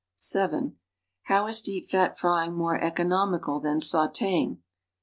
(7) How is deep fat frying more economical than sauteing.' Ans.